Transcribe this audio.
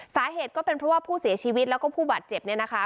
สาเหตุก็เป็นเพราะว่าผู้เสียชีวิตแล้วก็ผู้บาดเจ็บเนี่ยนะคะ